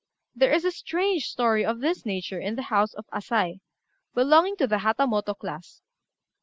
There is a strange story of this nature in the house of Asai, belonging to the Hatamoto class.